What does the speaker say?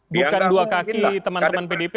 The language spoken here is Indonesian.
bukan dua kaki teman teman pdp begitu ya